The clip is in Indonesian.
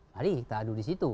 mari kita adu di situ